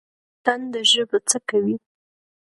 تنده ژبه څه کوي؟